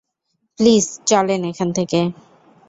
Please চলেন এখান থেকে।